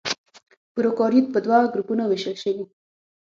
پروکاريوت په دوه ګروپونو وېشل شوي.